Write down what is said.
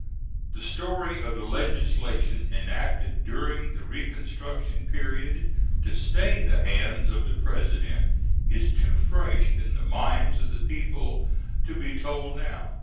The story of the legislation enacted during the reconstruction period to stay the hands of the President is too fresh in the minds of the people to be told now.